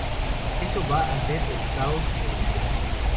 Eso va ser el caos', me decía.